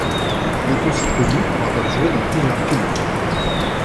Il est aussi connu pour avoir joué dans plusieurs films.